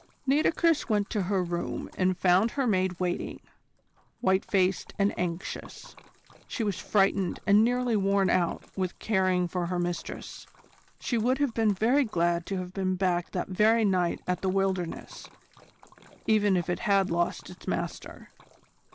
Nitocris went to her room and found her maid waiting, white faced and anxious. She was frightened and nearly worn out with caring for her mistress. She would have been very glad to have been back that very night at "The Wilderness," even if it had lost its master.